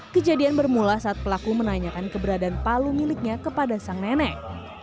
kejadian bermula saat pelaku menanyakan keberadaan palu miliknya kepada sang nenek